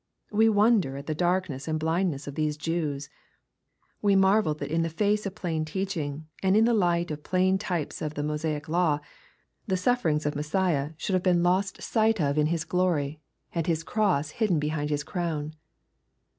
We wonder at the darkness and blindness of these Jews. We marvel that in the face of plain teaching, and in the light of plain types of the Mosaic law, the sufferings of Messiah should have LUKE, CHAP. XVIII. 281 been lost sight of in His glory, and His cross hidden '^ehind His crown.